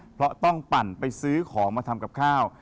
เพราะต้องปั่นไปซื้อของมาทำกับข้าว